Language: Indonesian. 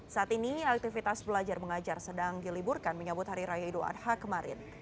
saat ini aktivitas belajar mengajar sedang diliburkan menyambut hari raya idul adha kemarin